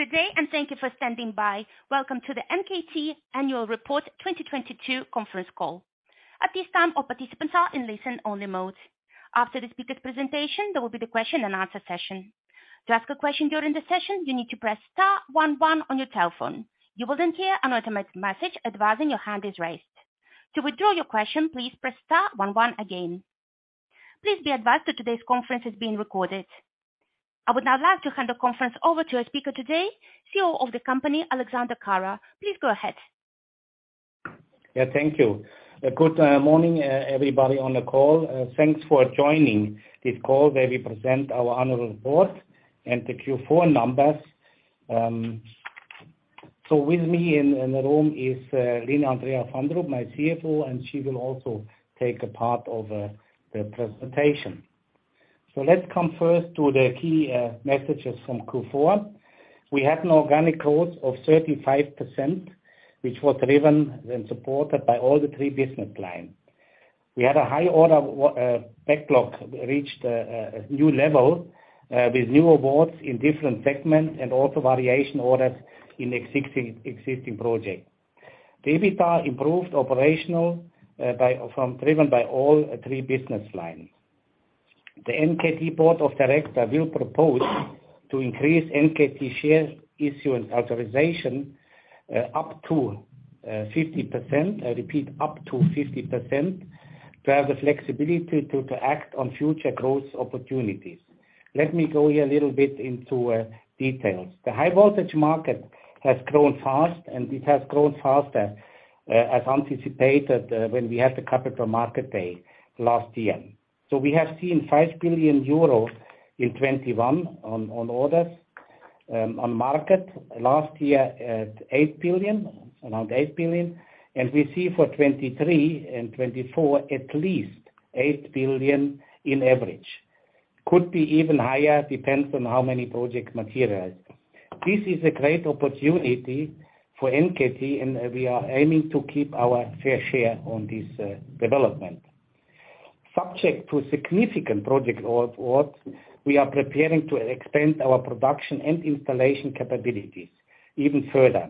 Good day, and thank you for standing by. Welcome to the NKT Annual Report 2022 conference call. At this time, all participants are in listen only mode. After the speaker presentation, there will be the question and answer session. To ask a question during the session, you need to press star one one on your telephone. You will hear an automated message advising your hand is raised. To withdraw your question, please press star one one again. Please be advised that today's conference is being recorded. I would now like to hand the conference over to our speaker today, CEO of the company, Alexander Kara. Please go ahead. Thank you. Good morning everybody on the call. Thanks for joining this call where we present our annual report and the Q4 numbers. With me in the room is Line Andrea Fandrup, my CFO, and she will also take a part of the presentation. Let's come first to the key messages from Q4. We had an organic growth of 35%, which was driven and supported by all three business lines. We had a high order backlog, reached a new level, with new awards in different segments and also variation orders in existing projects. The EBITDA improved operational, from driven by all three business lines. The NKT board of directors will propose to increase NKT share issuance authorization up to 50%. I repeat, up to 50%, to have the flexibility to act on future growth opportunities. Let me go here a little bit into details. The high voltage market has grown fast, and it has grown faster as anticipated when we had the capital market day last year. We have seen 5 billion euros in 2021 on orders on market. Last year at 8 billion, around 8 billion. We see for 2023 and 2024 at least 8 billion in average. Could be even higher, it depends on how many projects materialize. This is a great opportunity for NKT, and we are aiming to keep our fair share on this development. Subject to significant project awards, we are preparing to expand our production and installation capabilities even further.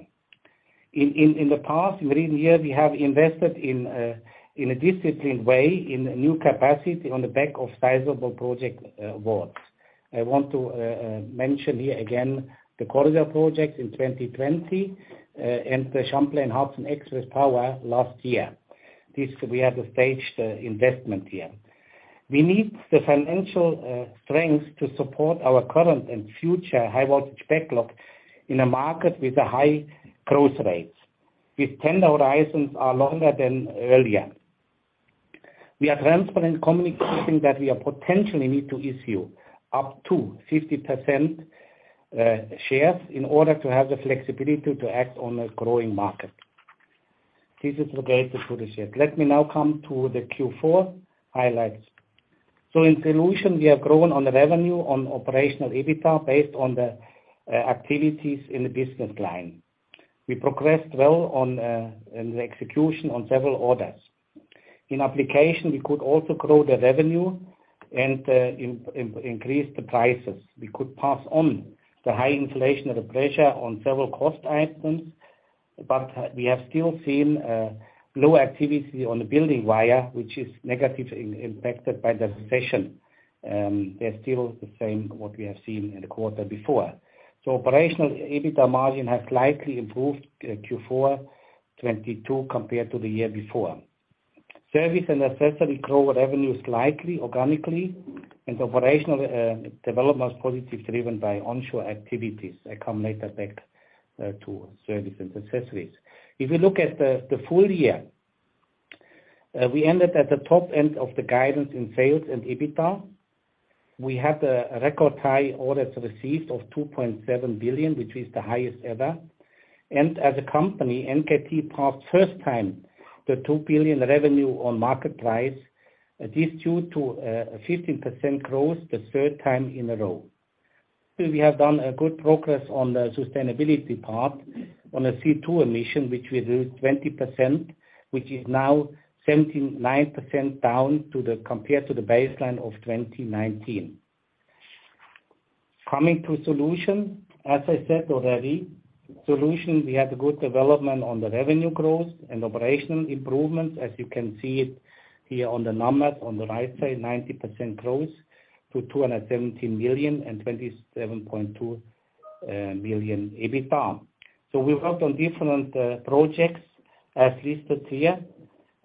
In the past three years, we have invested in a disciplined way in new capacity on the back of sizable project awards. I want to mention here again the Corridor project in 2020 and the Champlain Hudson Power Express last year. This we have a staged investment here. We need the financial strength to support our current and future high voltage backlog in a market with a high growth rate, with tender horizons are longer than earlier. We are transparent communicating that we are potentially need to issue up to 50% shares in order to have the flexibility to act on a growing market. This is related to the shares. Let me now come to the Q4 highlights. In solution, we have grown on the revenue on operational EBITDA based on the activities in the business line. We progressed well on the execution on several orders. In application, we could also grow the revenue and increase the prices. We could pass on the high inflation or the pressure on several cost items, but we have still seen low activity on the building wire, which is negatively impacted by the recession. They're still the same what we have seen in the quarter before. Operational EBITDA margin has slightly improved in Q4 2022 compared to the year before. Service and accessory grow revenue slightly organically, and operational development is positive, driven by onshore activities. I come later back to service and accessories. If you look at the full year, we ended at the top end of the guidance in sales and EBITDA. We had a record high orders received of 2.7 billion, which is the highest ever. As a company, NKT passed first time the 2 billion revenue on market price. This due to a 15% growth the third time in a row. We have done a good progress on the sustainability part on the CO2 emission, which we do 20%, which is now 79% down compared to the baseline of 2019. Coming to solution, as I said already, solution, we had a good development on the revenue growth and operational improvements, as you can see it here on the numbers on the right side, 90% growth to 217 million and 27.2 million EBITDA. We worked on different projects as listed here,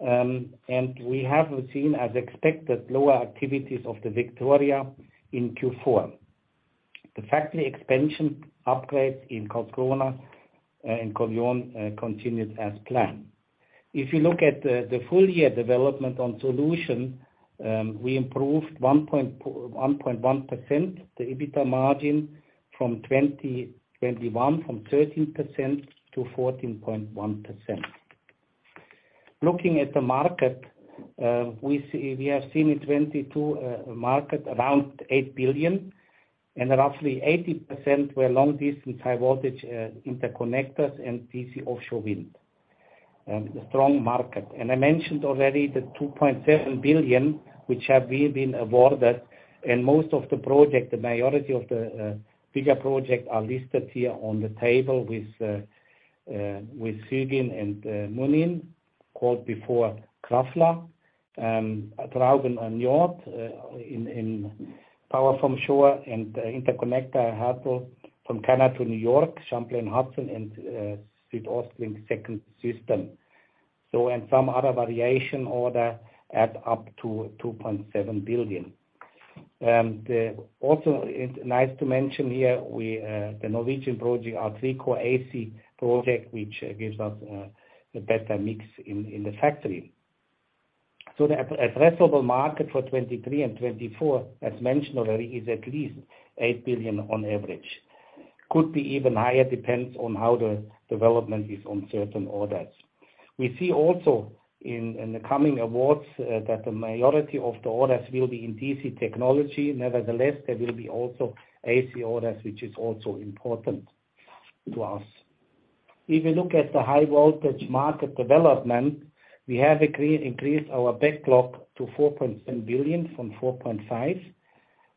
and we have seen, as expected, lower activities of the Victoria in Q4. The factory expansion upgrades in Karlskrona and Kolding continues as planned. If you look at the full year development on solution, we improved 1.1% the EBITDA margin from 2021, from 13%-14.1%. Looking at the market, we have seen in 2022, market around 8 billion and roughly 80% were long distance high voltage interconnectors and DC offshore wind. The strong market. I mentioned already the 2.7 billion which have we been awarded, and most of the project, the majority of the bigger project are listed here on the table with Hugin and Munin, called before Krafla. Draugen and Njord, in power from shore and interconnector, Haugaland from Canada to New York, Champlain Hudson, and SuedOstLink second system. Some other variation order add up to EUR 2.7 billion. The Norwegian project, our three-core AC project, which gives us a better mix in the factory. The addressable market for 2023 and 2024, as mentioned already, is at least 8 billion on average. Could be even higher, depends on how the development is on certain orders. We see also in the coming awards that the majority of the orders will be in DC technology. Nevertheless, there will be also AC orders, which is also important to us. If you look at the high voltage market development, we have increased our backlog to 4.7 billion from 4.5 billion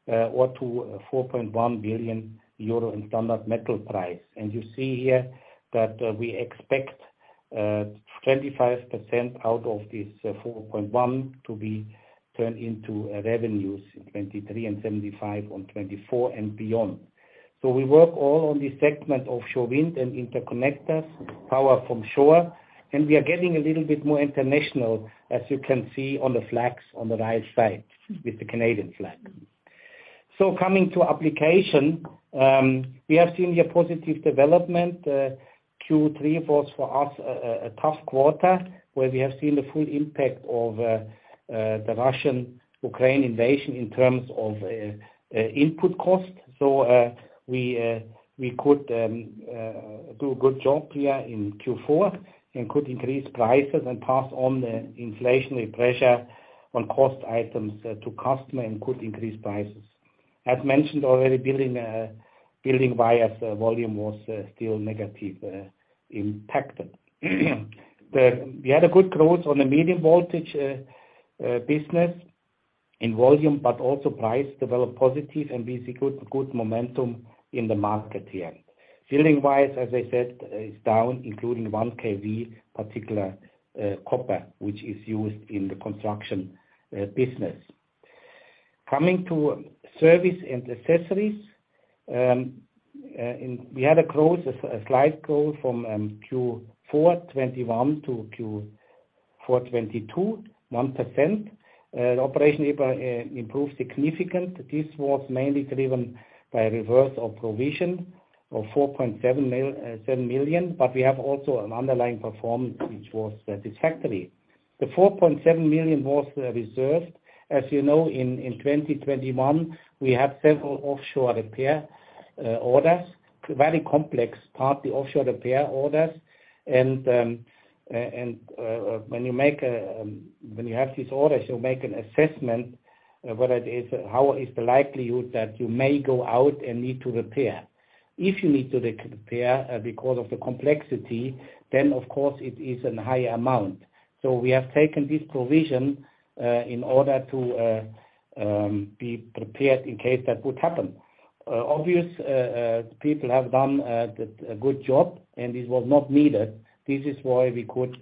euro, or to 4.1 billion euro in standard metal price. You see here that we expect 25% out of this 4.1 billion to be turned into revenues in 2023, and 75% on 2024 and beyond. We work all on this segment of shore wind and interconnectors, power from shore, and we are getting a little bit more international, as you can see on the flags on the right side with the Canadian flag. Coming to application, we have seen here positive development. Q3 was for us a tough quarter, where we have seen the full impact of the Russian-Ukraine invasion in terms of input costs. We could do a good job here in Q4, and could increase prices and pass on the inflationary pressure on cost items to customer, and could increase prices. As mentioned already, building wires volume was still negative impacted. We had a good growth on the medium voltage business in volume, but also price developed positive and we see good momentum in the market here. Building wires, as I said, is down including 1 kV particular copper, which is used in the construction business. Coming to service and accessories, we had a growth, a slight growth from Q4 2021 to Q4 2022, 1%. operation EBITDA improved significant. This was mainly driven by a reverse of provision of 4.7 million, but we have also an underlying performance which was satisfactory. The 4.7 million was reserved. As you know, in 2021, we had several offshore repair orders, very complex partly offshore repair orders. When you make when you have these orders, you make an assessment whether it is, how is the likelihood that you may go out and need to repair. If you need to re-repair because of the complexity, then of course it is an high amount. We have taken this provision in order to be prepared in case that would happen. People have done a good job, and this was not needed. This is why we could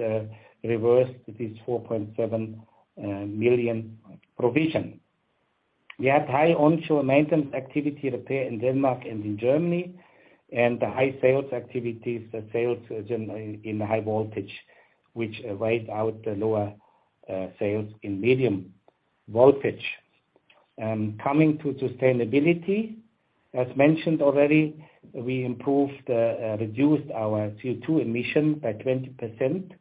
reverse this 4.7 million provision. We had high onshore maintenance activity repair in Denmark and in Germany, and the high sales activities that failed to generate in the high voltage, which wiped out the lower sales in medium voltage. Coming to sustainability, as mentioned already, we reduced our CO2 emission by 20%,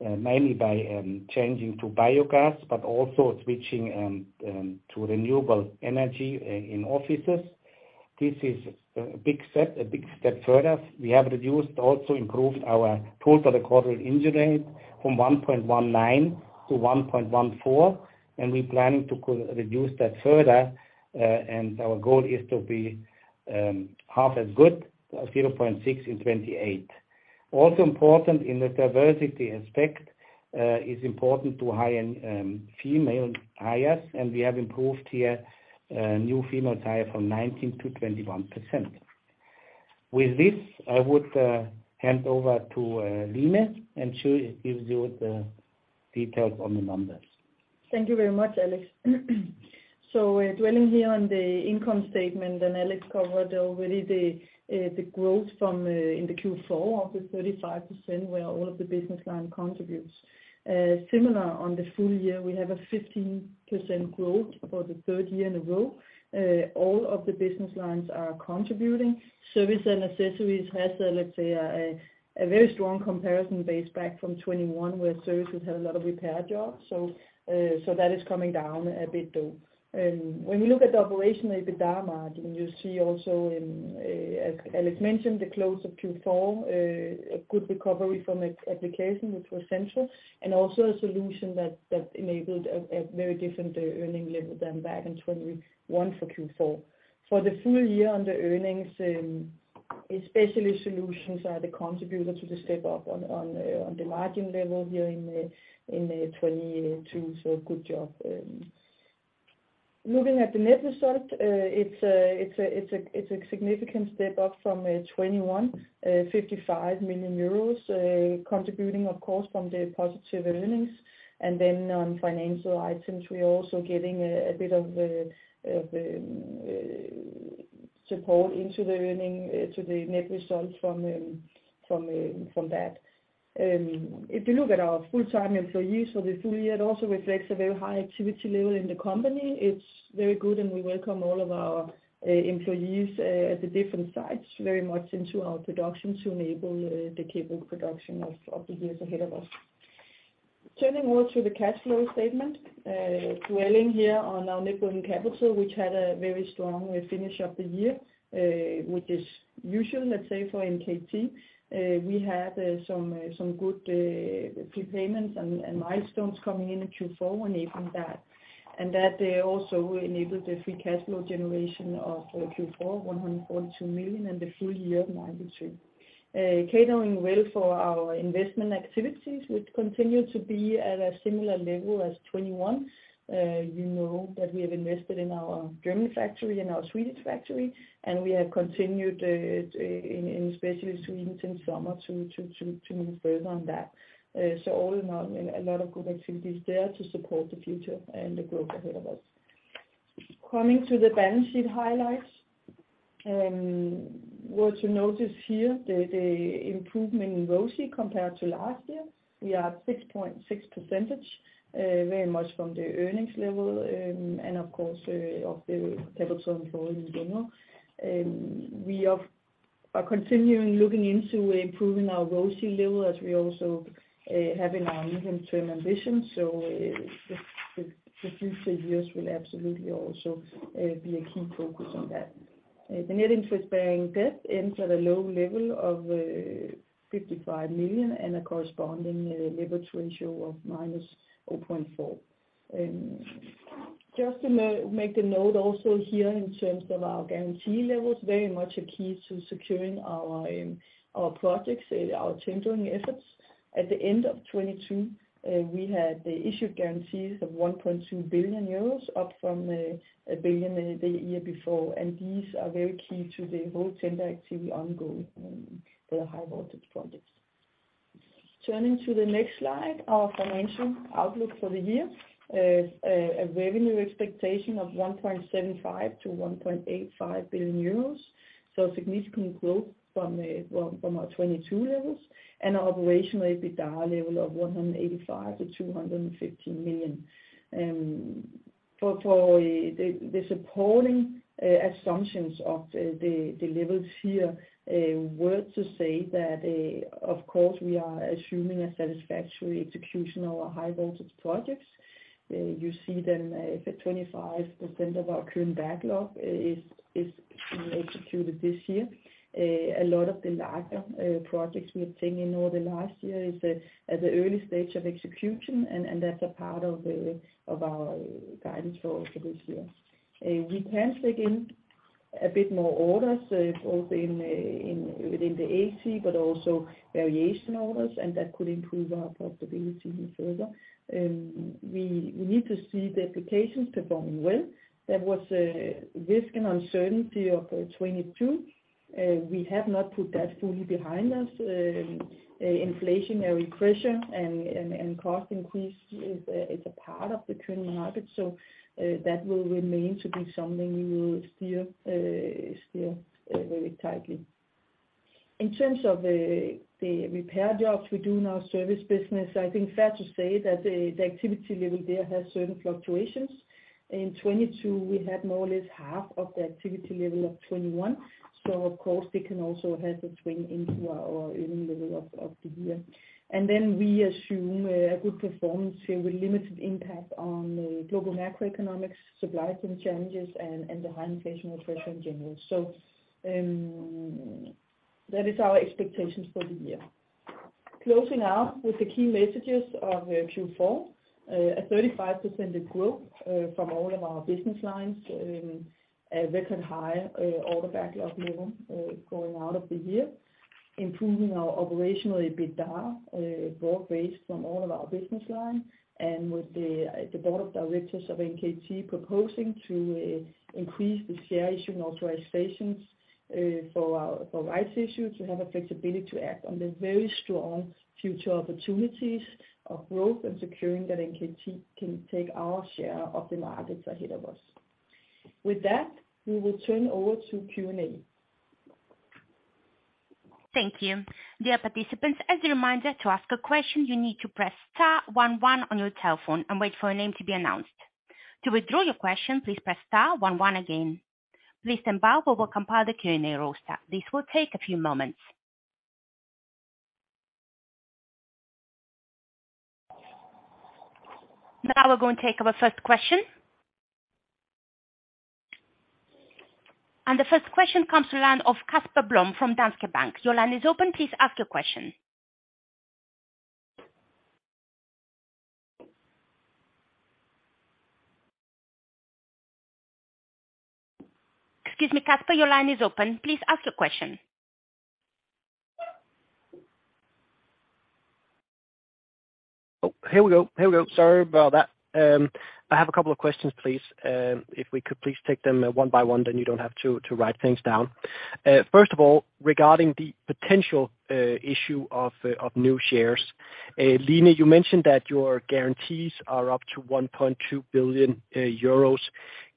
mainly by changing to biogas, but also switching to renewable energy in offices. This is a big step, a big step further. We have reduced, also improved our Total Recordable Injury Rate from 1.19%-1.14%, and we plan to co-reduce that further, and our goal is to be half as good, 0.6% in 2028. Also important in the diversity aspect, is important to hire female hires, and we have improved here, new female hire from 19%-21%. With this, I would hand over to Line, and she gives you the details on the numbers. Thank you very much, Alex. Dwelling here on the income statement, Alex covered already the growth from in the Q4 of the 35%, where all of the business line contributes. Similar on the full year, we have a 15% growth for the third year in a row. All of the business lines are contributing. Service and accessories has a, let's say a very strong comparison base back from 2021, where services had a lot of repair jobs. That is coming down a bit, though. When you look at the operational EBITDA margin, you see also in as Alex mentioned, the close of Q4, a good recovery from ex-application, which was central, and also a solution that enabled a very different earning level than back in 2021 for Q4. For the full year on the earnings, especially solutions are the contributor to the step up on the margin level here in 2022. Good job. Looking at the net result, it's a significant step up from 2021, 55 million euros, contributing of course from the positive earnings. On financial items, we are also getting a bit of support into the earning to the net results from that. If you look at our full-time employees for the full year, it also reflects a very high activity level in the company. It's very good. We welcome all of our employees at the different sites very much into our production to enable the capable production of the years ahead of us. Turning over to the cash flow statement, dwelling here on our net working capital, which had a very strong finish of the year, which is usual, let's say, for NKT. We had some good prepayments and milestones coming in in Q4 enabling that. That also enabled the free cash flow generation of Q4, 142 million, and the full year 92 million. Catering well for our investment activities, which continue to be at a similar level as 2021. You know that we have invested in our German factory and our Swedish factory, and we have continued especially Sweden since summer to move further on that. All in all, a lot of good activities there to support the future and the growth ahead of us. Coming to the balance sheet highlights, worth to notice here the improvement in ROCE compared to last year. We are at 6.6%, very much from the earnings level, and of course, of the capital employed in general. We are continuing looking into improving our ROCE level as we also have in our medium-term ambition. The future years will absolutely also be a key focus on that. The net interest-bearing debt ends at a low level of 55 million and a corresponding leverage ratio of -0.4%. Just to make the note also here in terms of our guarantee levels, very much a key to securing our projects, our tendering efforts. At the end of 2022, we had issued guarantees of 1.2 billion euros, up from 1 billion the year before. These are very key to the whole tender activity ongoing for the high voltage projects. Turning to the next slide, our financial outlook for the year. A revenue expectation of 1.75 billion-1.85 billion euros, so significant growth from, well, from our 2022 levels. Our operational EBITDA level of 185 million-215 million. Assumptions of the levels here, a word to say that, of course, we are assuming a satisfactory execution of our high voltage projects. You see them, if 25% of our current backlog is to be executed this year. A lot of the larger projects we obtained in the last year is at the early stage of execution, and that's a part of our guidance for this year. We can take in a bit more orders, both within the AC, but also variation orders, and that could improve our profitability even further. We need to see the applications performing well. There was a risk and uncertainty of 2022. We have not put that fully behind us. Inflationary pressure and cost increase is a part of the current market. That will remain to be something we will steer very tightly. In terms of the repair jobs we do in our service business, I think fair to say that the activity level there has certain fluctuations. In 2022, we had more or less half of the activity level of 2021. Of course, they can also have a swing into our earning level of the year. We assume a good performance here with limited impact on global macroeconomics, supply chain challenges and the high inflation pressure in general. That is our expectations for the year. Closing out with the key messages of Q4. A 35% growth from all of our business lines. A record high order backlog level going out of the year. Improving our operational EBITDA broad-based from all of our business lines. With the board of directors of NKT proposing to increase the share issue and authorizations for rights issue, to have a flexibility to act on the very strong future opportunities of growth and securing that NKT can take our share of the markets ahead of us. With that, we will turn over to Q&A. Thank you. Dear participants, as a reminder, to ask a question, you need to press star one one on your telephone and wait for your name to be announced. To withdraw your question, please press star one one again. Please stand by while we compile the Q&A roster. This will take a few moments. Now we're going to take our first question. The first question comes to the line of Casper Blom from Danske Bank. Your line is open, please ask your question. Excuse me, Casper, your line is open. Please ask your question. Here we go. Sorry about that. I have a couple of questions, please. If we could please take them one by one, then you don't have to write things down. First of all, regarding the potential issue of new shares, Line, you mentioned that your guarantees are up to 1.2 billion euros.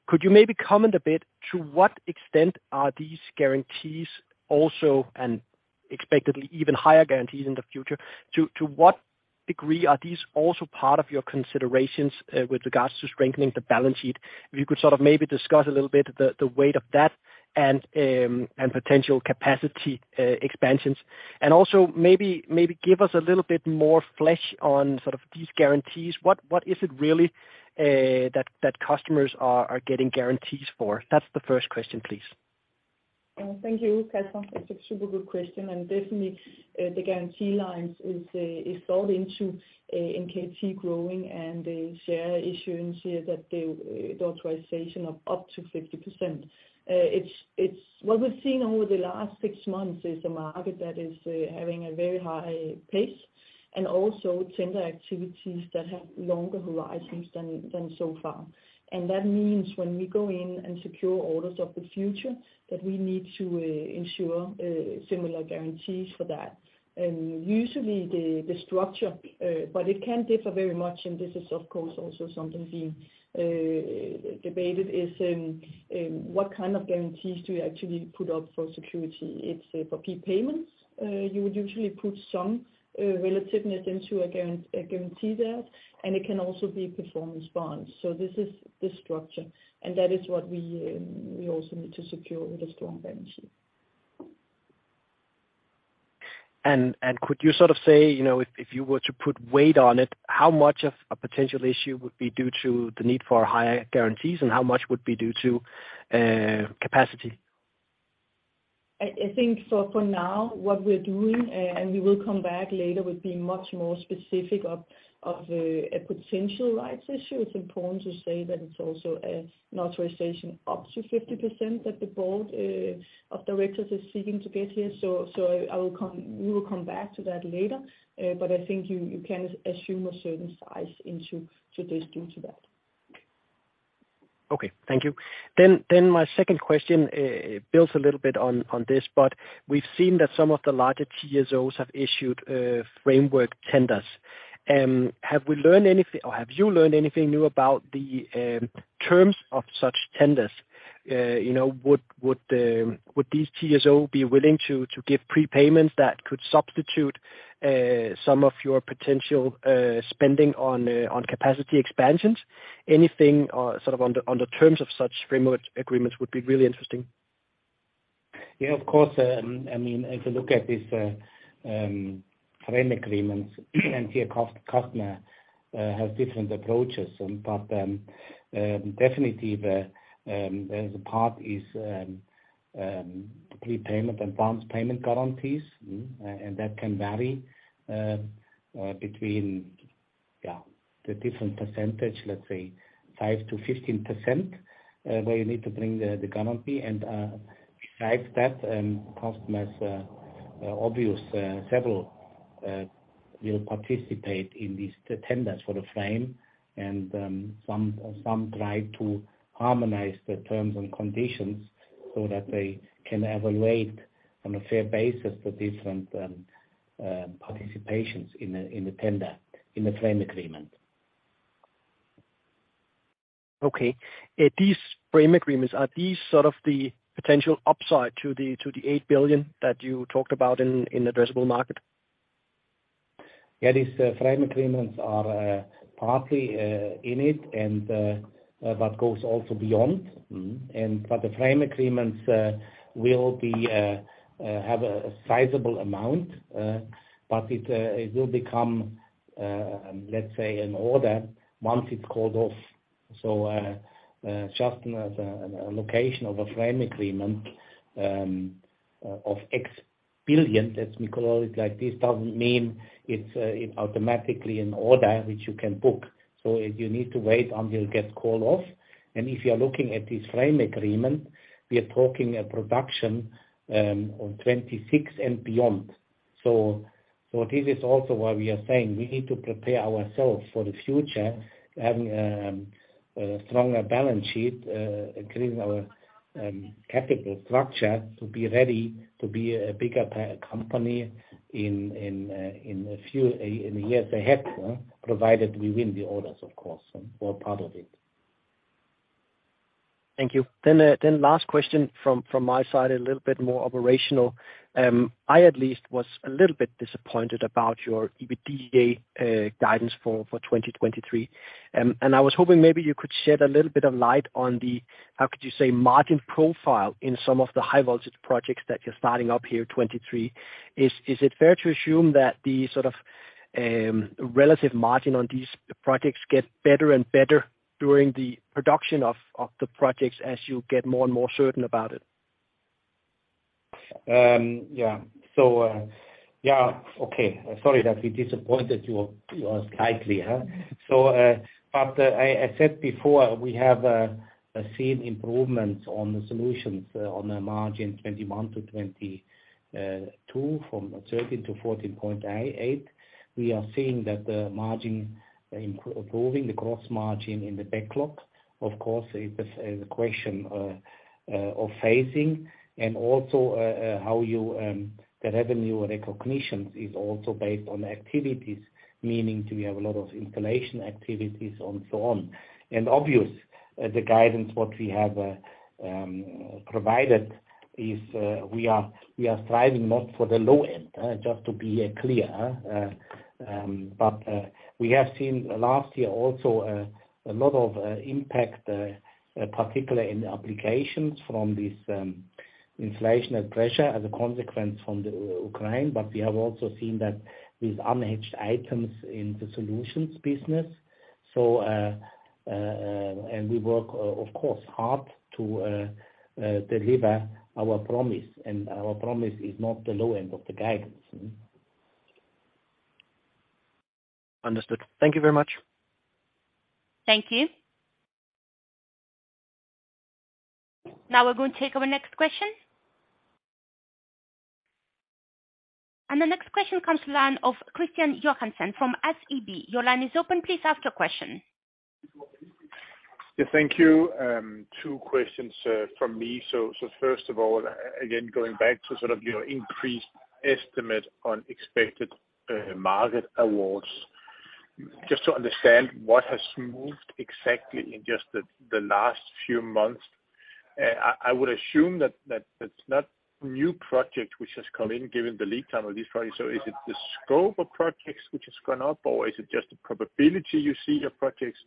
Could you maybe comment a bit to what extent are these guarantees also, and expectedly even higher guarantees in the future, to what degree are these also part of your considerations with regards to strengthening the balance sheet? If you could sort of maybe discuss a little bit the weight of that and potential capacity expansions. Also maybe give us a little bit more flesh on sort of these guarantees. What is it really that customers are getting guarantees for? That's the first question, please. Thank you, Casper. That's a super good question. Definitely, the guarantee lines is sold into NKT growing and the share issuance here that the authorization of up to 50%. It's what we've seen over the last six months is a market that is having a very high pace and also tender activities that have longer horizons than so far. That means when we go in and secure orders of the future, that we need to ensure similar guarantees for that. Usually the structure, but it can differ very much, and this is of course also something being debated, is what kind of guarantees do you actually put up for security? It's for key payments, you would usually put some relativeness into a guarantee there. It can also be performance bonds. This is the structure. That is what we also need to secure with a strong balance sheet. Could you sort of say, you know, if you were to put weight on it, how much of a potential issue would be due to the need for higher guarantees, and how much would be due to capacity? I think for now, what we're doing, and we will come back later with being much more specific of a potential rights issue. It's important to say that it's also an authorization up to 50% that the board of directors is seeking to get here. We will come back to that later. I think you can assume a certain size into this due to that. Okay. Thank you. My second question builds a little bit on this. We've seen that some of the larger TSOs have issued framework tenders. Have we learned anything or have you learned anything new about the terms of such tenders? You know, would these TSO be willing to give prepayments that could substitute some of your potential spending on capacity expansions? Anything sort of on the terms of such framework agreements would be really interesting. Yeah, of course. I mean, if you look at these frame agreements here, Casper, has different approaches. Definitely the part is prepayment and advanced payment guarantees. That can vary between, yeah, the different percentage, let's say 5%-15%, where you need to bring the guarantee. Like that, customers obvious, several will participate in these, the tenders for the frame. Some try to harmonize the terms and conditions so that they can evaluate on a fair basis the different participations in the tender, in the frame agreement. Okay. These frame agreements, are these sort of the potential upside to the 8 billion that you talked about in addressable market? Yeah, these frame agreements are partly in it and but goes also beyond. Mm-hmm. But the frame agreements will be, have a sizable amount. But it will become, let's say, an order once it's called off. So, just as a location of a frame agreement of X billion, as we call it like this, doesn't mean it's automatically an order which you can book. So you need to wait until it gets called off. If you are looking at this frame agreement, we are talking a production of 2026 and beyond. This is also why we are saying we need to prepare ourselves for the future, having a stronger balance sheet, including our capital structure to be ready to be a bigger company in a few in the years ahead, provided we win the orders, of course, or part of it. Thank you. Last question from my side, a little bit more operational. I at least was a little bit disappointed about your EBITDA guidance for 2023. I was hoping maybe you could shed a little bit of light on the how could you say margin profile in some of the high voltage projects that you're starting up here in 2023. Is it fair to assume that the sort of relative margin on these projects get better and better during the production of the projects as you get more and more certain about it? Okay. Sorry that we disappointed you slightly, huh? I said before, we have seen improvements on the solutions on the margin 2021 to 2022, from 13%-14.8%. We are seeing that the margin improving the gross margin in the backlog. Of course it is the question of phasing and also how you, the revenue recognitions is also based on activities. Do we have a lot of installation activities and so on. Obvious, the guidance what we have provided is, we are striving not for the low end, just to be clear. We have seen last year also a lot of impact particularly in the applications from this inflation and pressure as a consequence from the Ukraine. We have also seen that with unhedged items in the solutions business. We work of course hard to deliver our promise, and our promise is not the low end of the guidance. Understood. Thank you very much. Thank you. Now we're going to take our next question. The next question comes to line of Kristian Johansen from SEB. Your line is open. Please ask your question. Thank you. Two questions from me. First of all, again, going back to sort of your increased estimate on expected market awards. Just to understand what has moved exactly in just the last few months. I would assume that it's not new project which has come in given the lead time of this project. Is it the scope of projects which has gone up, or is it just the probability you see of projects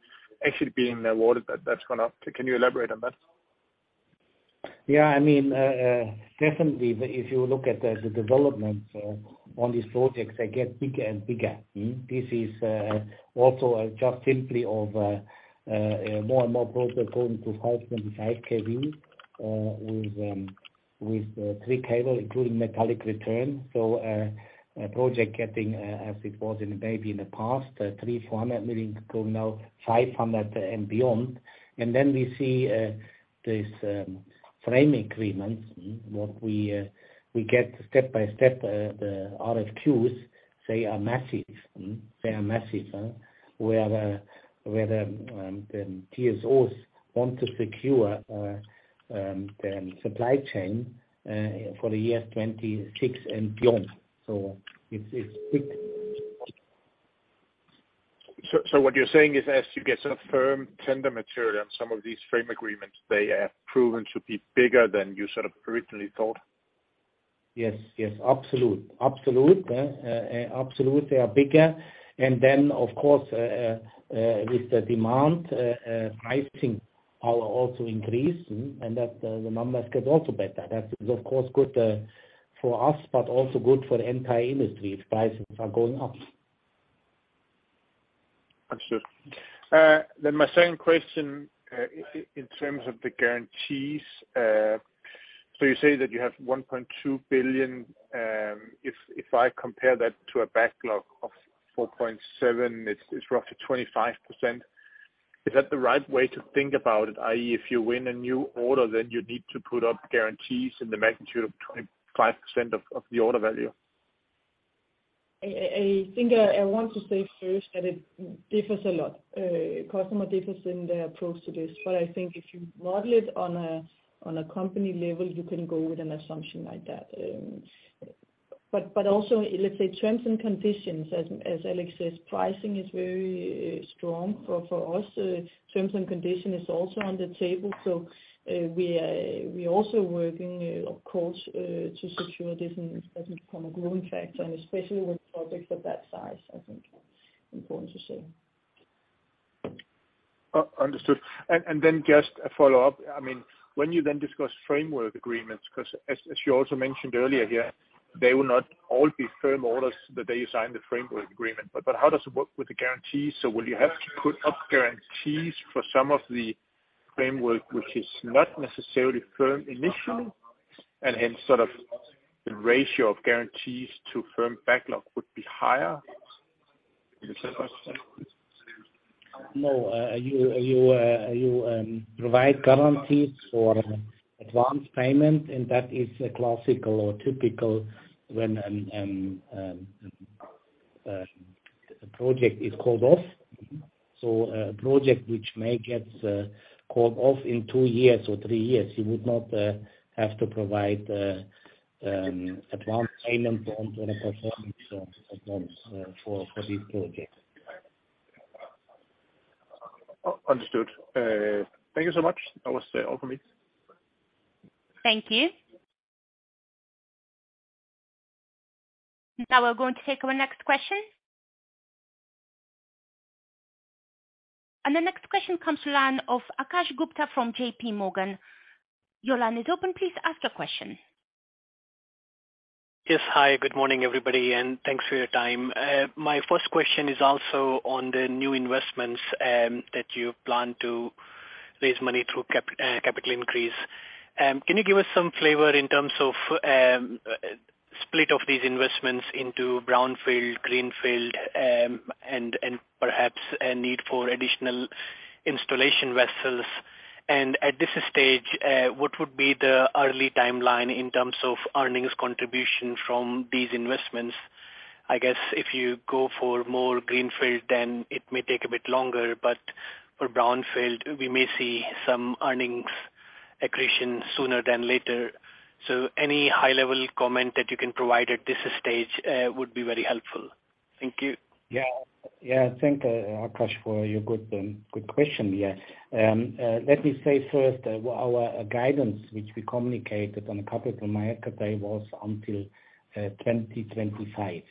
actually being awarded that's gone up? Can you elaborate on that? I mean, definitely if you look at the development on these projects, they get bigger and bigger. This is also a just simply of more and more projects going to 525 kV with three cable including metallic return. A project getting as it was in maybe in the past, 300-400 million to now 500 million and beyond. We see this framing agreements. What we get step by step, the RFQs, they are massive. They are massive. Where the TSOs want to secure the supply chain for the year 2026 and beyond. It's big. What you're saying is as you get sort of firm tender material on some of these frame agreements, they have proven to be bigger than you sort of originally thought? Yes. Yes. Absolutely. Absolutely. Absolutely, they are bigger. Of course, with the demand, pricing are also increased, and that the numbers get also better. That is of course good for us, but also good for the entire industry if prices are going up. Understood. My second question, in terms of the guarantees. You say that you have 1.2 billion. If I compare that to a backlog of 4.7 billion, it's roughly 25%. Is that the right way to think about it? I.e., if you win a new order, then you need to put up guarantees in the magnitude of 25% of the order value? I think I want to say first that it differs a lot. Customer differs in their approach to this. I think if you model it on a, on a company level, you can go with an assumption like that. Also, let's say terms and conditions as Alex says, pricing is very strong for us. Terms and condition is also on the table. We're also working, of course, to secure this and doesn't become a growing factor, and especially with projects of that size, I think important to say. Understood. Then just a follow-up. I mean, when you then discuss framework agreements, 'cause as you also mentioned earlier here, they will not all be firm orders the day you sign the framework agreement. How does it work with the guarantees? Will you have to put up guarantees for some of the framework which is not necessarily firm initially and hence sort of the ratio of guarantees to firm backlog would be higher? No. You provide guarantees for advanced payment. That is a classical or typical when a project is called off. A project which may get called off in two years or three years, you would not have to provide advanced payment on any performance advance for these projects. Understood. Thank you so much. That was all for me. Thank you. Now we're going to take our next question. The next question comes to line of Akash Gupta from J.P. Morgan. Your line is open. Please ask your question. Yes. Hi, good morning, everybody, and thanks for your time. My first question is also on the new investments, that you plan to raise money through capital increase. Can you give us some flavor in terms of split of these investments into brownfield, greenfield, and perhaps a need for additional installation vessels? At this stage, what would be the early timeline in terms of earnings contribution from these investments? I guess if you go for more greenfield, then it may take a bit longer, but for brownfield we may see some earnings accretion sooner than later. Any high level comment that you can provide at this stage, would be very helpful. Thank you. Yeah. Yeah. Thank Akash, for your good question. Yeah. Let me say first, our guidance, which we communicated on the capital market day, was until 2025.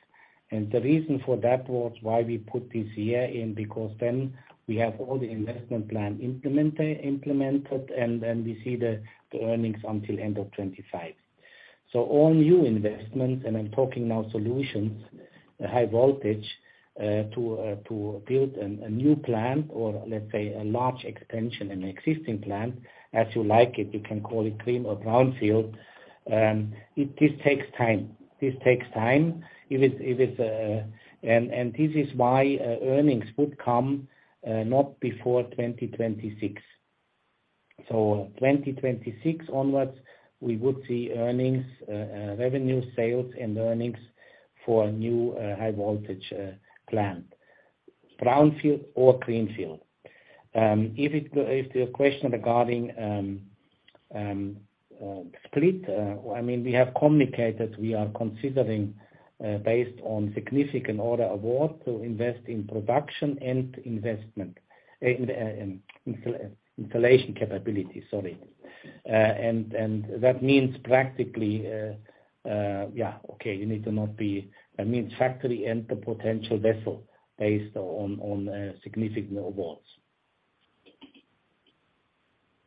The reason for that was why we put this year in, because then we have all the investment plan implemented, and then we see the earnings until end of 2025. All new investments, and I'm talking now solutions, high voltage, to build a new plant or let's say a large extension in existing plant, as you like it, you can call it green or brownfield. This takes time. It is. This is why earnings would come not before 2026. 2026 onwards, we would see earnings, revenue sales and earnings for a new high voltage plant, brownfield or greenfield. If the question regarding split, I mean we have communicated, we are considering based on significant order award to invest in production and investment, in installation capability. Sorry. That means practically, yeah, okay, you need to not be, I mean factory and the potential vessel based on significant awards.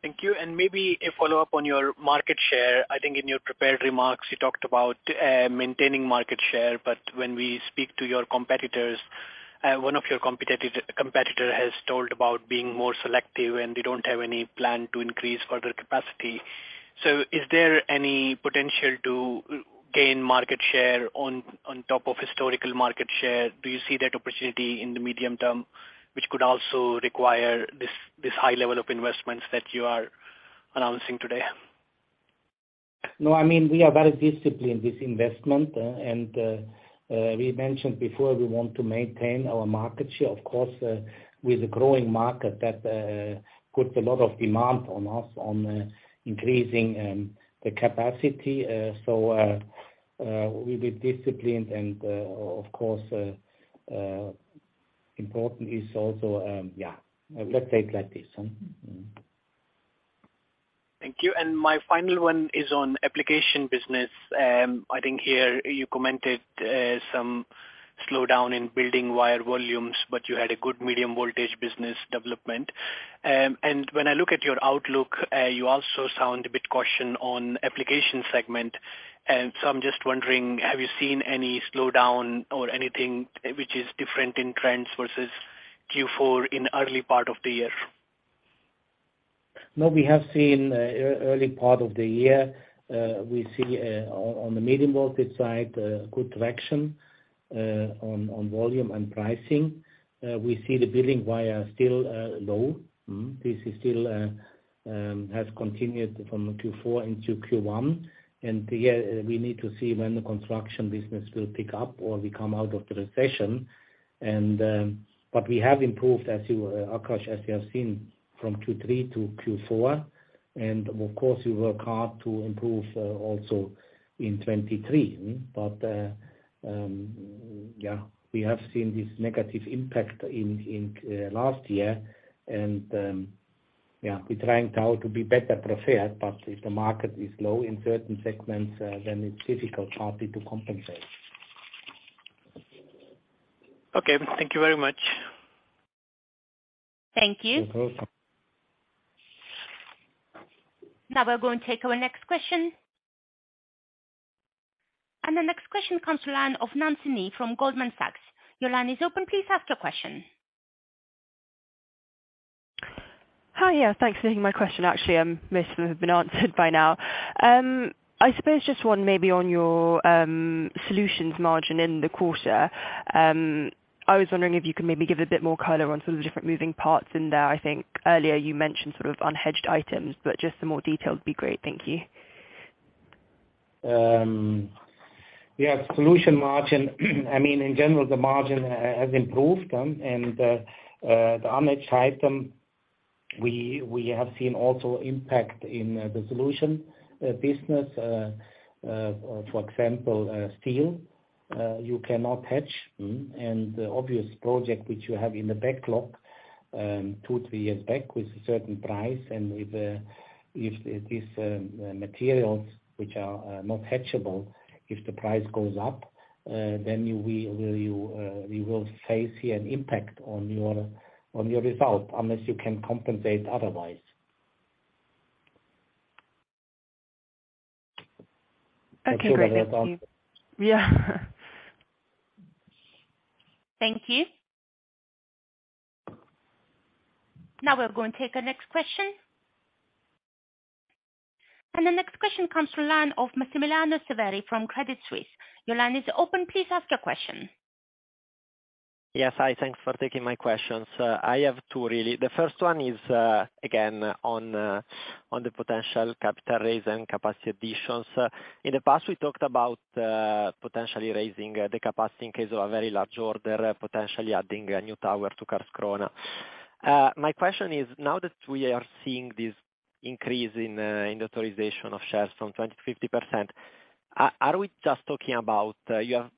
Thank you. Maybe a follow-up on your market share. I think in your prepared remarks, you talked about maintaining market share, but when we speak to your competitors, one of your competitor has told about being more selective, and they don't have any plan to increase further capacity. Is there any potential to gain market share on top of historical market share? Do you see that opportunity in the medium term, which could also require this high level of investments that you are announcing today? No, I mean, we are very disciplined with investment. We mentioned before we want to maintain our market share. Of course, with a growing market that puts a lot of demand on us on increasing the capacity. We'll be disciplined and, of course, important is also, yeah. Let's take like this. Thank you. My final one is on application business. I think here you commented some slowdown in building wire volumes, but you had a good medium voltage business development. When I look at your outlook, you also sound a bit caution on application segment. I'm just wondering, have you seen any slowdown or anything which is different in trends versus Q4 in early part of the year? No, we have seen early part of the year, we see on the medium voltage side a good traction on volume and pricing. We see the building wire still low. This is still has continued from Q4 into Q1. Yeah, we need to see when the construction business will pick up or we come out of the recession. We have improved as you, Akash, as you have seen from Q3 to Q4. Of course we work hard to improve also in 2023. Yeah, we have seen this negative impact in last year. Yeah, we're trying now to be better prepared, if the market is low in certain segments, it's difficult partly to compensate. Okay. Thank you very much. Thank you. Now we're going to take our next question. The next question comes to line of Daniela Costa from Goldman Sachs. Your line is open. Please ask your question. Hi. Yeah, thanks for taking my question. Most of them have been answered by now. Just one maybe on your solutions margin in the quarter. I was wondering if you could maybe give a bit more color on some of the different moving parts in there. Earlier you mentioned sort of unhedged items, but just some more details would be great. Thank you. Yeah, solution margin, I mean, in general, the margin has improved, and the unhedged item we have seen also impact in the solution business. For example, steel, you cannot hedge. Mm-hmm. Obvious project which you have in the backlog, two, three years back with a certain price and with, if these materials which are not hedgeable, if the price goes up, then we will face here an impact on your result unless you can compensate otherwise. Okay, great. Thank you. Thank you very much. Thank you. Now we're going to take the next question. The next question comes from line of Massimiliano Severi from Credit Suisse. Your line is open. Please ask your question. Yes. Hi, thanks for taking my questions. I have two really. The first one is, again, on the potential capital raise and capacity additions. In the past, we talked about, potentially raising the capacity in case of a very large order, potentially adding a new tower to Karlskrona. My question is, now that we are seeing this increase in the authorization of shares from 20%-50%, are we just talking about, you have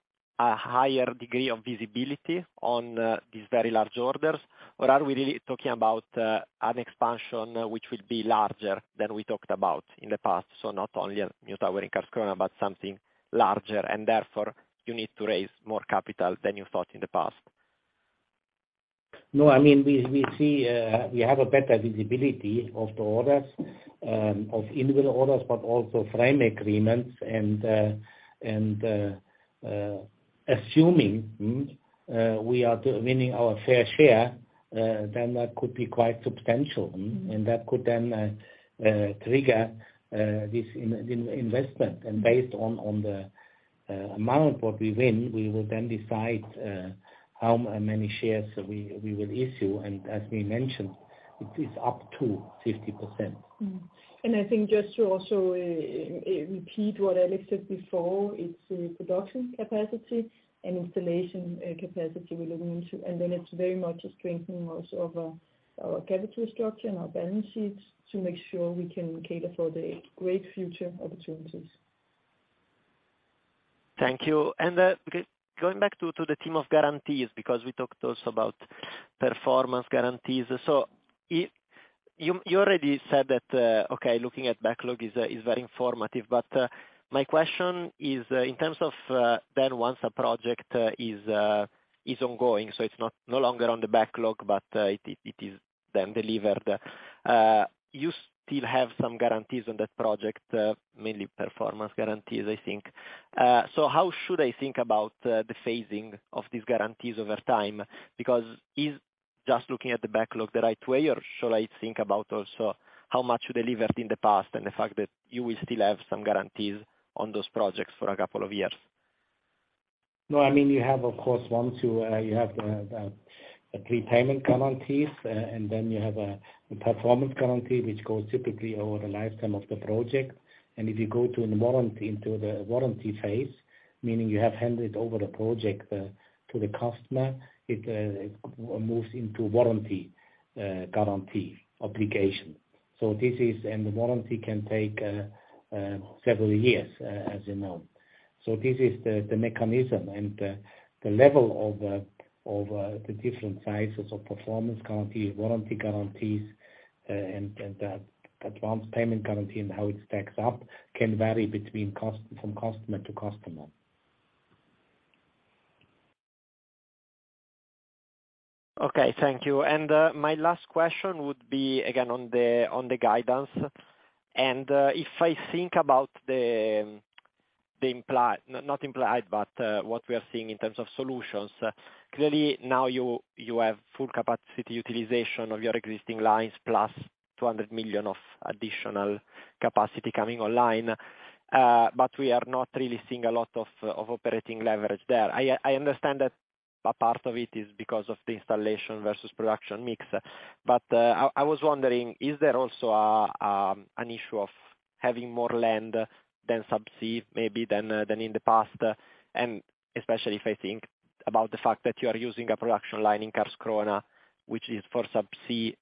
a higher degree of visibility on these very large orders? Or are we really talking about an expansion which will be larger than we talked about in the past? Not only a new tower in Karlskrona, but something larger, and therefore you need to raise more capital than you thought in the past. No, I mean, we see we have a better visibility of the orders of individual orders, but also frame agreements. Assuming we are to winning our fair share, then that could be quite substantial. That could then trigger this investment. Based on the amount what we win, we will then decide how many shares we will issue. As we mentioned, it is up to 50%. I think just to also, repeat what Alex said before, it's production capacity and installation, capacity we're looking into. It's very much a strengthening also of our capital structure and our balance sheets to make sure we can cater for the great future opportunities. Thank you. Going back to the theme of guarantees, because we talked also about performance guarantees. You already said that, okay, looking at backlog is very informative. My question is in terms of then once a project is ongoing, so it's no longer on the backlog, but it is then delivered. You still have some guarantees on that project, mainly performance guarantees, I think. How should I think about the phasing of these guarantees over time? Is just looking at the backlog the right way, or should I think about also how much you delivered in the past and the fact that you will still have some guarantees on those projects for a couple of years? No, I mean, you have of course one, two, you have a prepayment guarantees, and then you have a performance guarantee which goes typically over the lifetime of the project. If you go to the warranty, into the warranty phase, meaning you have handed over the project to the customer, it moves into warranty guarantee obligation. This is, and the warranty can take several years, as you know. This is the mechanism and the level of the different sizes of performance guarantees, warranty guarantees, and advance payment guarantee and how it stacks up can vary from customer to customer. Okay, thank you. My last question would be again on the guidance. If I think about the not implied, but what we are seeing in terms of solutions, clearly now you have full capacity utilization of your existing lines, plus 200 million of additional capacity coming online. We are not really seeing a lot of operating leverage there. I understand that a part of it is because of the installation versus production mix. I was wondering, is there also an issue of having more land than subsea maybe than in the past? Especially if I think about the fact that you are using a production line in Karlskrona, which is for subsea,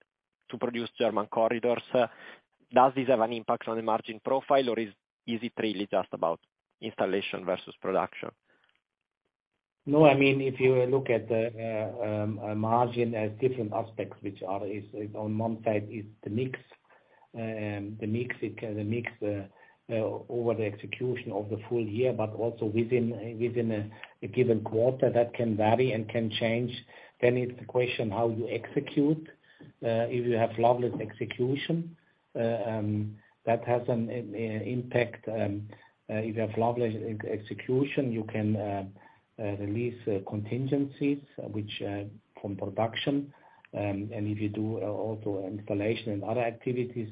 to produce German corridors. Does this have an impact on the margin profile, or is it really just about installation versus production? I mean, if you look at the a margin as different aspects, which are is. On one side is the mix. The mix over the execution of the full year, but also within a given quarter, that can vary and can change. Then it's the question how you execute. If you have flawless execution, that has an impact. If you have flawless execution, you can release contingencies, which from production. If you do also installation and other activities,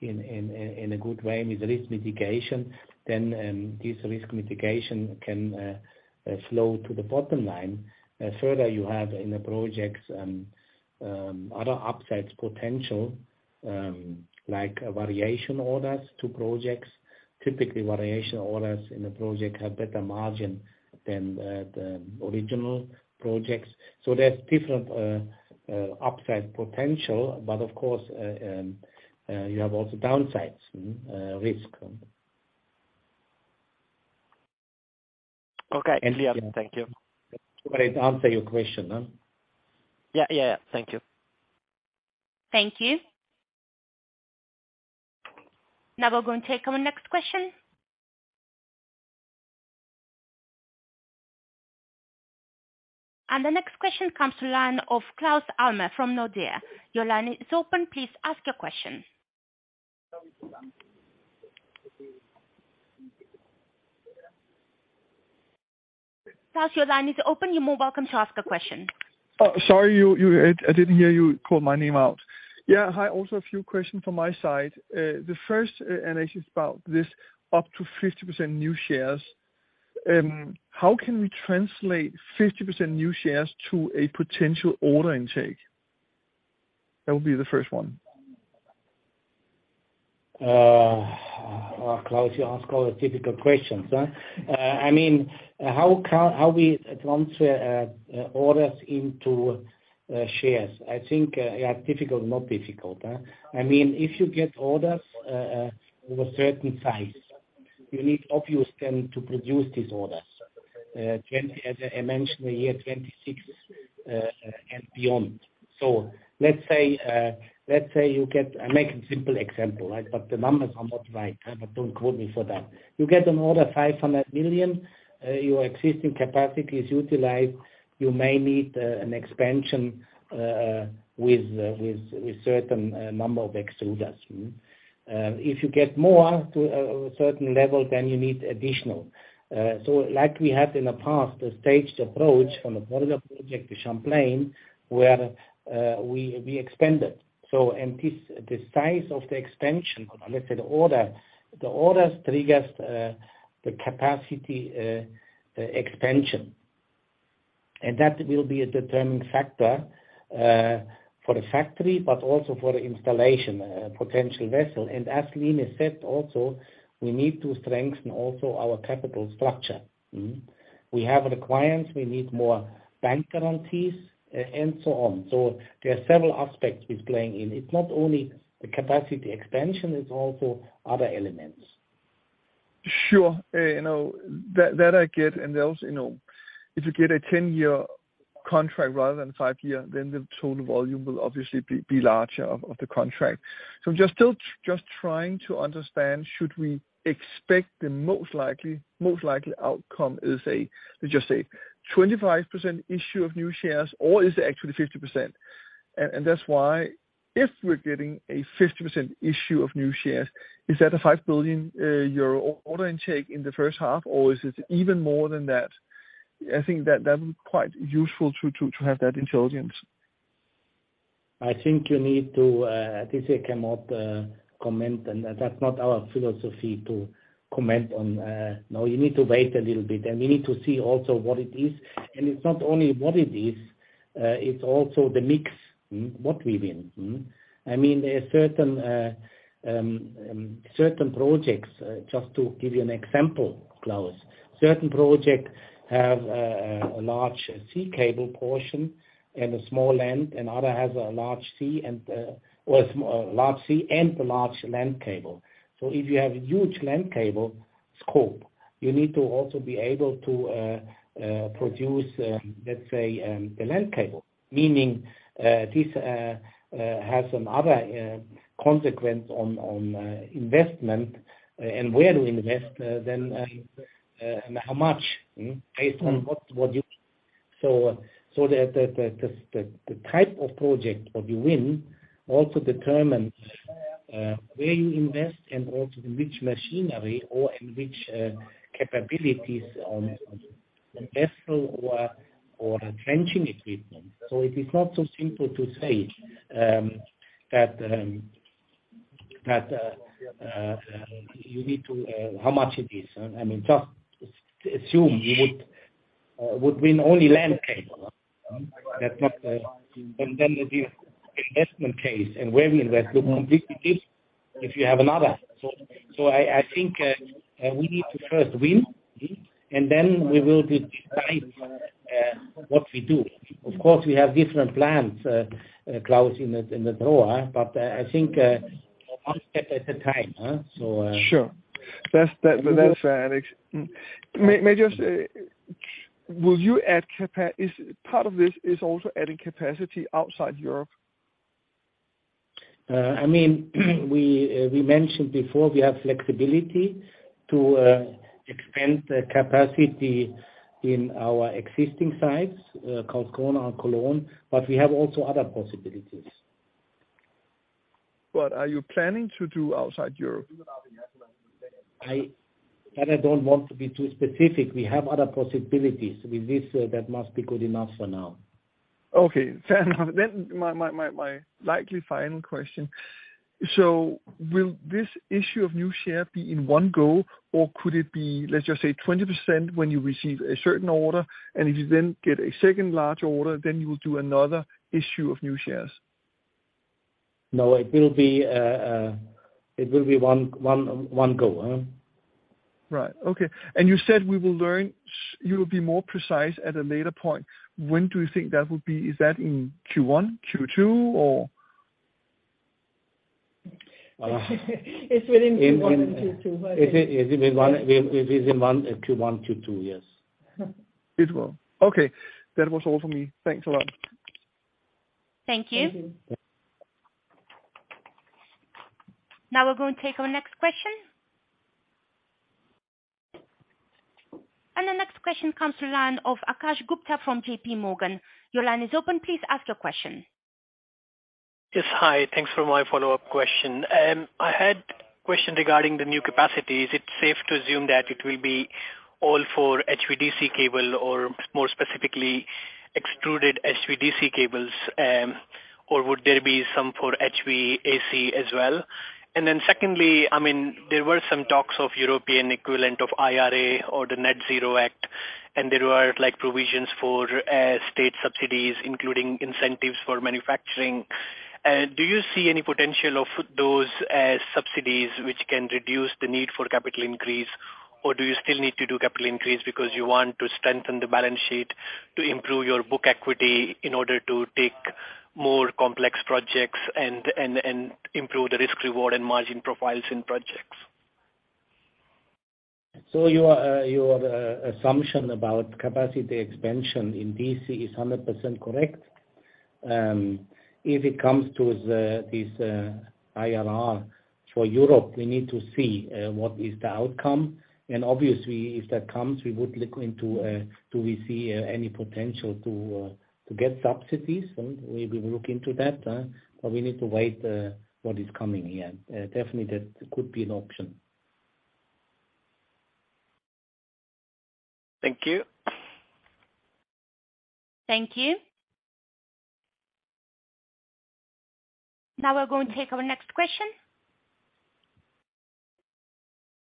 in a good way with risk mitigation, then this risk mitigation can flow to the bottom line. Further, you have in the projects other upside potential like variation orders to projects. Typically, variation orders in a project have better margin than the original projects. There's different upside potential. Of course, you have also downsides risk. Okay. Yeah. Thank you. Hope I've answered your question, huh? Yeah. Yeah. Thank you. Thank you. Now we're going to take our next question. The next question comes to line of Claes-Johan Geijer from Nordic. Your line is open. Please ask your question. Claes, your line is open. You're more welcome to ask a question. Oh, sorry, I didn't hear you call my name out. Yeah, hi, also a few questions from my side. The first, Alex, is about this up to 50% new shares. How can we translate 50% new shares to a potential order intake? That would be the first one. Oh, Claes, you ask all the difficult questions, huh? I mean, how we advance orders into shares? I think, yeah, difficult, more difficult, huh? I mean, if you get orders with certain size, you need obviously to produce these orders. As I mentioned, the year 26 and beyond. Let's say, let's say you get. I'll make a simple example, right? The numbers are not right, but don't quote me for that. You get an order 500 million, your existing capacity is utilized. You may need an expansion with certain number of extruders. If you get more to a certain level, you need additional. So like we have in the past, a staged approach from the Border project to Champlain, where we expanded. And this, the size of the expansion of, let's say, the orders triggers the capacity expansion. That will be a determining factor for the factory, but also for the installation potential vessel. As Line said, also we need to strengthen also our capital structure. We have the clients, we need more bank guarantees and so on. There are several aspects with playing in. It's not only the capacity expansion, it's also other elements. Sure. You know, that I get and also, you know, if you get a 10-year contract rather than five-year, then the total volume will obviously be larger of the contract. I'm just trying to understand, should we expect the most likely outcome is a, let's just say 25% issue of new shares, or is it actually 50%? That's why if we're getting a 50% issue of new shares, is that a 5 billion euro order intake in the first half? Or is it even more than that? I think that would be quite useful to have that intelligence. I think you need to. This I cannot comment on. That's not our philosophy to comment on. No, you need to wait a little bit, and we need to see also what it is. It's not only what it is, it's also the mix, what we win. I mean, a certain projects, just to give you an example, Claes. Certain projects have a large sea cable portion and a small land. Another has a large sea and a large land cable. If you have huge land cable scope, you need to also be able to produce, let's say, the land cable. Meaning, this has another consequence on investment and where to invest than how much, based on what you. The type of project that you win also determines where you invest and also in which machinery or in which capabilities on vessel or trenching equipment. It is not so simple to say that you need to how much it is. I mean, just assume you would win only land cable. That's not the. The investment case and where we invest would completely differ if you have another. I think we need to first win, and then we will decide what we do. Of course, we have different plans, Claes, in the, in the drawer, but, I think, one step at a time, huh? Sure. That's, that's Alex. May just. Is part of this also adding capacity outside Europe? I mean, we mentioned before we have flexibility to expand the capacity in our existing sites, Karlskrona and Cologne. We have also other possibilities. Are you planning to do outside Europe? Claes, I don't want to be too specific. We have other possibilities with this. That must be good enough for now. Fair enough. My likely final question. Will this issue of new share be in one go? Or could it be, let's just say, 20% when you receive a certain order, and if you then get a second larger order, then you will do another issue of new shares? No, it will be, it will be one go. Right. Okay. You said You will be more precise at a later point. When do you think that would be? Is that in Q1, Q2, or? It's within Q1 and Q2. It is in one, Q1, Q2, yes. It will. Okay. That was all for me. Thanks a lot. Thank you. Now we're going to take our next question. The next question comes to line of Akash Gupta from J.P. Morgan. Your line is open. Please ask your question. Yes. Hi. Thanks for my follow-up question. I had question regarding the new capacities. Is it safe to assume that it will be all for HVDC cable or more specifically extruded HVDC cables, or would there be some for HVAC as well? Secondly, I mean, there were some talks of European equivalent of IRA or the Net-Zero Industry Act, and there were, like, provisions for state subsidies, including incentives for manufacturing. Do you see any potential of those as subsidies which can reduce the need for capital increase, or do you still need to do capital increase because you want to strengthen the balance sheet to improve your book equity in order to take more complex projects and improve the risk reward and margin profiles in projects? Your assumption about capacity expansion in DC is 100% correct. If it comes to this IRA for Europe, we need to see what is the outcome. Obviously, if that comes, we would look into, do we see any potential to get subsidies, and we will look into that, but we need to wait what is coming here. Definitely that could be an option. Thank you. Thank you. Now we're going to take our next question.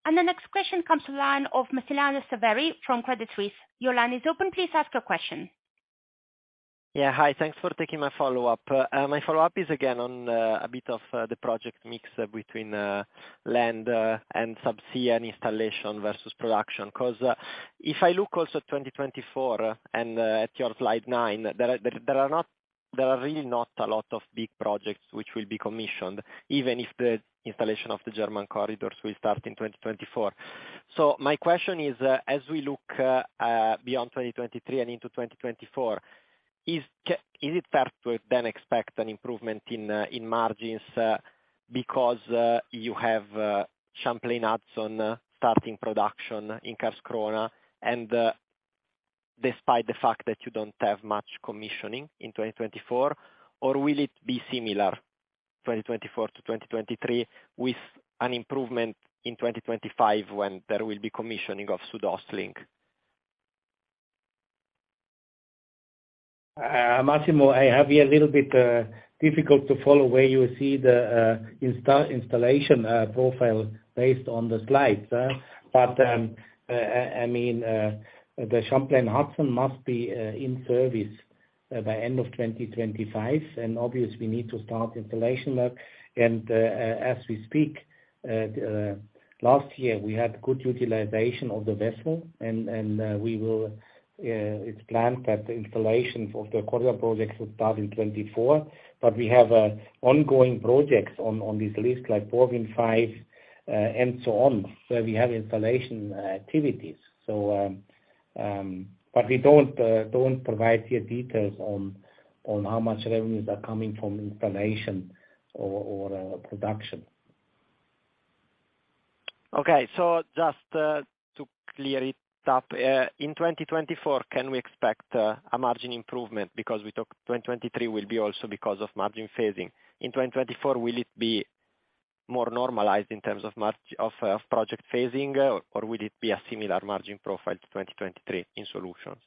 The next question comes to line of Massimiliano Severi from Credit Suisse. Your line is open. Please ask your question. Hi. Thanks for taking my follow-up. My follow-up is again on a bit of the project mix between land and subsea and installation versus production. If I look also 2024 and at your slide nine, there are not-- there are really not a lot of big projects which will be commissioned, even if the installation of the German corridors will start in 2024. My question is, as we look beyond 2023 and into 2024, is it fair to then expect an improvement in margins, because you have Champlain Hudson starting production in Karlskrona and despite the fact that you don't have much commissioning in 2024? Will it be similar, 2024 to 2023, with an improvement in 2025 when there will be commissioning of SuedOstLink? Massimo, I have a little bit difficult to follow where you see the installation profile based on the slides. I mean, the Champlain Hudson must be in service by end of 2025, and obviously we need to start installation work. As we speak, last year we had good utilization of the vessel, and we will, it's planned that the installations of the corridor projects will start in 2024. We have ongoing projects on this list like BorWin5, and so on, where we have installation activities. We don't provide here details on how much revenues are coming from installation or production. Okay. Just, to clear it up, in 2024 can we expect a margin improvement? We talked 2023 will be also because of margin phasing. In 2024, will it be more normalized in terms of project phasing, or will it be a similar margin profile to 2023 in solutions?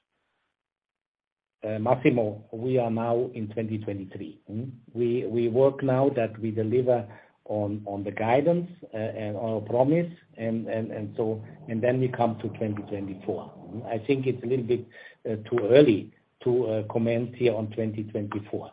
Massimo, we are now in 2023. We work now that we deliver on the guidance and on our promise and then we come to 2024. I think it's a little bit too early to comment here on 2024.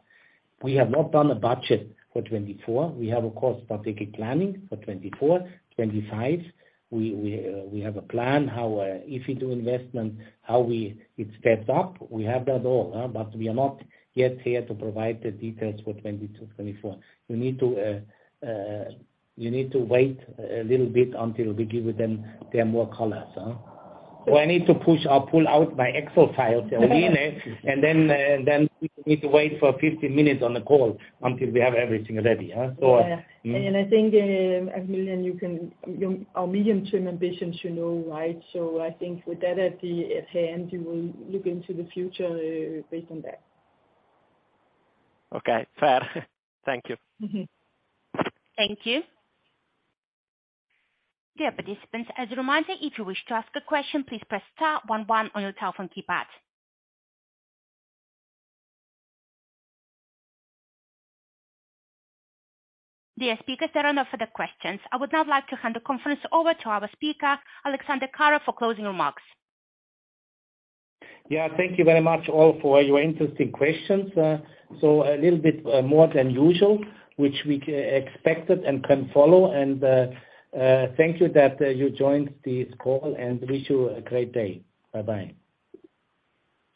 We have not done a budget for 2024. We have of course started planning for 2024, 2025. We have a plan how, if we do investment, how it steps up. We have that all. We are not yet here to provide the details for 2022, 2024. We need to wait a little bit until we give them more colors. I need to push or pull out my Excel files, and then, and then we need to wait for 15 minutes on the call until we have everything ready, so. Yeah. I think, Massimo, our medium term ambitions you know, right? I think with that at the hand, you will look into the future, based on that. Okay. Fair. Thank you. Mm-hmm. Thank you. Dear participants, as a reminder, if you wish to ask a question, please press star one one on your telephone keypad. Dear speakers, there are no further questions. I would now like to hand the conference over to our speaker, Alexander Kara, for closing remarks. Yeah. Thank you very much all for your interesting questions. A little bit more than usual, which we expected and can follow. Thank you that you joined this call, and wish you a great day. Bye-bye.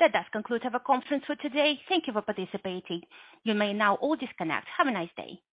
That does conclude our conference for today. Thank you for participating. You may now all disconnect. Have a nice day.